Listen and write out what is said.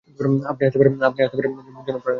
আপনি আসাতে বুকে যেন প্রাণ এলো।